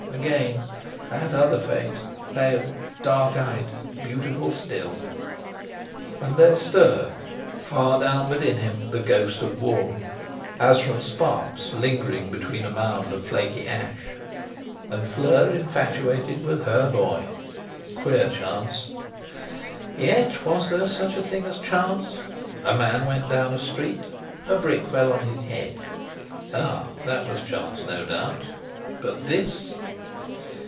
Again that other face—pale, dark eyed, beautiful still! And there stirred far down within him the ghost of warmth, as from sparks lingering beneath a mound of flaky ash. And Fleur infatuated with her boy! Queer chance! Yet, was there such a thing as chance? A man went down a street, a brick fell on his head. Ah! that was chance, no doubt. But this!